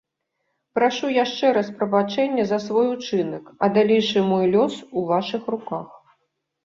Прашу яшчэ раз прабачэння за свой учынак, а далейшы мой лёс у вашых руках.